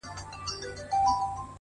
ژړا مي وژني د ژړا اوبـو تـه اور اچـوي-